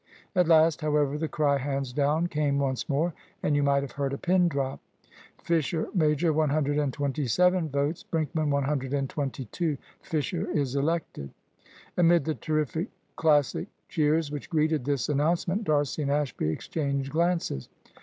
At last, however, the cry, "hands down," came once more, and you might have heard a pin drop. "Fisher major, one hundred and twenty seven votes; Brinkman, one hundred and twenty two. Fisher is elected." Amid the terrific Classic cheers which greeted this announcement, D'Arcy and Ashby exchanged glances.